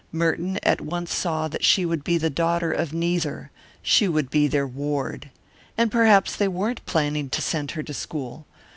Merton at once saw that she would be the daughter of neither; she would be their ward. And perhaps they weren't planning to send her to school.